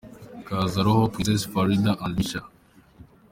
Kaza Roho – Princess Farida & Micha.